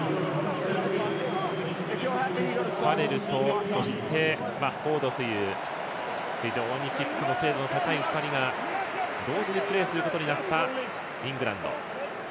ファレルとそして、フォードという非常にキックの精度の高い２人が同時にプレーすることになったイングランド。